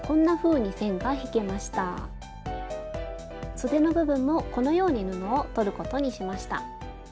そでの部分もこのように布をとることにしました。